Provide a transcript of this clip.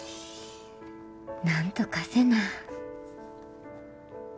なんとかせな。